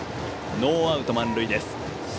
ノーアウト満塁です。